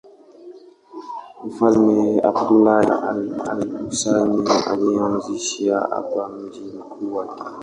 Mfalme Abdullah bin al-Husayn alianzisha hapa mji mkuu wake.